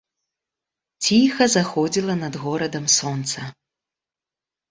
Ціха заходзіла над горадам сонца.